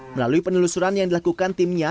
melalui penelusuran yang dilakukan timnya